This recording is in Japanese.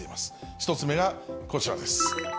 １つ目がこちらです。